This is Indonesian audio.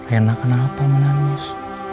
riana kenapa menangis